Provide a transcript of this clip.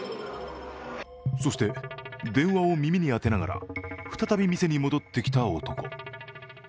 そして、電話を耳に当てながら再び店に戻ってきた男。